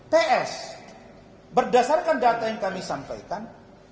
ts berdasarkan data yang kami sampaikan